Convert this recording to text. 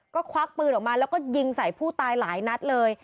ก็ควักปืนออกมาแล้วก็ยิงใส่ผู้ตายหลายนัดเลย